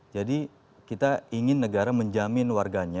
jadi kita ingin negara menjamin warganya